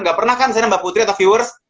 gak pernah kan saya mbak putri atau viewers